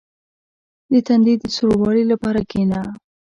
• د تندي د سوړوالي لپاره کښېنه.